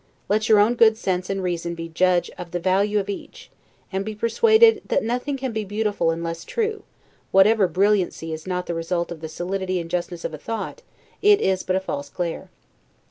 Let your own good sense and reason judge of the value of each; and be persuaded, that NOTHING CAN BE BEAUTIFUL UNLESS TRUE: whatever brilliancy is not the result of the solidity and justness of a thought, it is but a false glare.